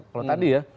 kalau tadi ya